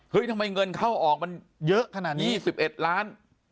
เฮ้ยทำไมเงินเข้าออกมัน๒๑ล้าน